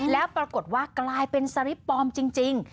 แล้วปรากฏว่ากลายเป็นสลิปปลอมจริง